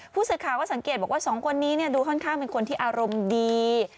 ผู้สื่อข่าวก็สังเกตบอกว่าสองคนนี้ดูค่อนข้างเป็นคนที่อารมณ์ดี